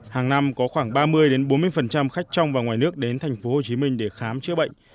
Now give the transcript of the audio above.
hàng năm có khoảng ba mươi bốn mươi khách trong và ngoài nước đến tp hcm để khám chữa bệnh